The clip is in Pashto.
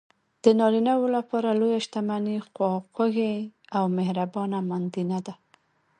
د نارینه لپاره لویه شتمني خواخوږې او مهربانه ماندینه ده.